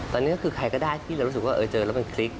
ตอนนี้ก็คือใครก็ได้ที่เรารู้สึกว่าเจอแล้วมันพลิก